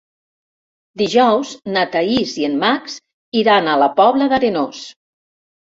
Dijous na Thaís i en Max iran a la Pobla d'Arenós.